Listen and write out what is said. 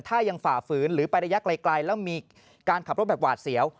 ถ้ายังฝ่าฝืนหรือไประยะไกลแล้วมีการขับรถแบบหวาดเสียว